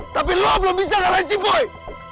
tapi lo belum bisa kalahin si boy